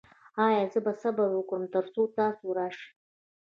ایا زه صبر وکړم تر څو تاسو راشئ؟